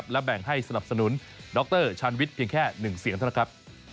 และแบ่งให้สนับสนุนดรชาญวิทย์เพียงแค่๑เสียงเท่านั้นครับ